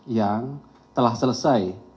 yang telah selesai